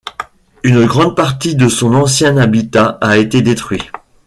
Une grande partie de son ancien habitat a été détruit.